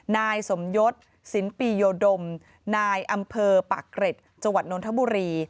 นายสมยศสินปีโยดมนายอำเภอปากเกร็ดจังหวัดนทบุรี